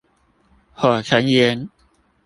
火成岩